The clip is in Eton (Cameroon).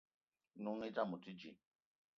N'noung i dame o te dji.